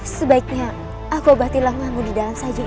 sebaiknya aku abadi langangu di dalam sajian